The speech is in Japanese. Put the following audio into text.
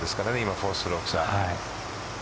４ストローク差。